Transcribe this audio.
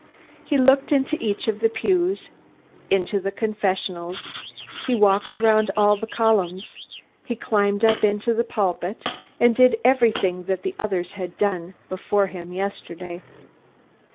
He looked into each of the pews, into the confessionals, he walked around all the columns, he climbed up into the pulpit, he did everything that the others had done before him yesterday.